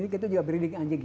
kita juga breeding anjing